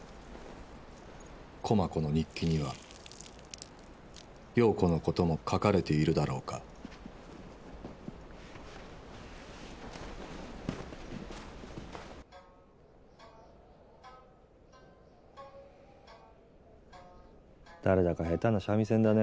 駒子の日記には葉子のことも書かれているだろうか誰だか下手な三味線だね。